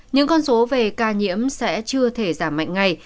những con số về ca nhiễm sẽ chưa thể giảm mạnh ngày